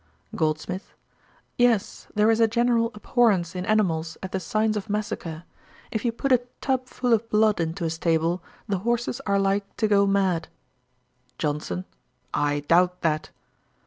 GOLDSMITH. 'Yes, there is a general abhorrence in animals at the signs of massacre. If you put a tub full of blood into a stable, the horses are like to go mad.' JOHNSON. 'I doubt that.'